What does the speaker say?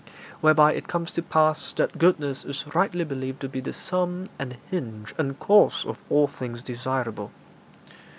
Whereby it comes to pass that goodness is rightly believed to be the sum and hinge and cause of all things desirable.